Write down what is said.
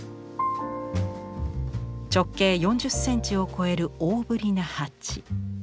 直径４０センチを超える大ぶりな鉢。